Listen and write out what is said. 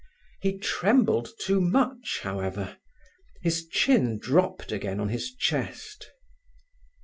He trembled too much, however. His chin dropped again on his chest.